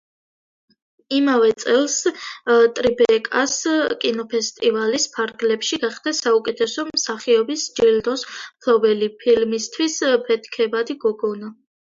იმავე წელს ტრიბეკას კინოფესტივალის ფარგლებში გახდა საუკეთესო მსახიობის ჯილდოს მფლობელი, ფილმისთვის „ფეთქებადი გოგონა“.